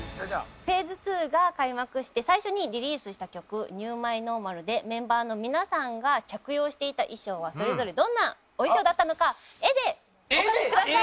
フェーズ２が開幕して最初にリリースした曲『ニュー・マイ・ノーマル』でメンバーの皆さんが着用していた衣装はそれぞれどんなお衣装だったのか絵でお描きください。